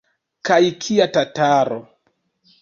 Kaj kia tataro!